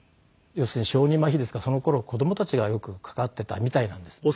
要するに小児まひですからその頃子供たちがよくかかってたみたいなんですね。